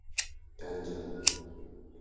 病んじゃう